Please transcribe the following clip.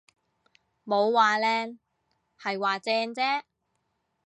冇話靚，係話正啫